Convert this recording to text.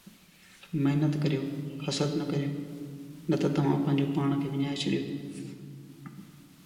محنت ڪريو، حسد نه ڪريو، نه ته توهان پنهنجو پاڻ کي وڃائي ڇڏيو